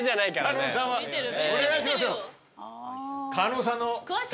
お願いします。